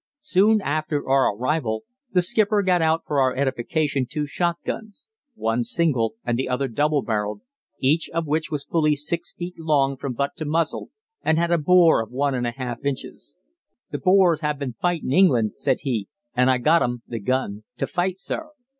Soon after our arrival the skipper got out for our edification two shotguns one single, and the other double barrelled each of which was fully six feet long from butt to muzzle and had a bore of one and one half inches. "Th' Boers ha' been fightin' England," said he, "an' I got un [the gun] t' fight, sir.